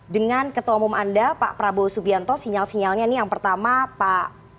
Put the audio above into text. dengan ketua umum anda pak prabowo subianto sinyal sinyalnya ini yang pertama pak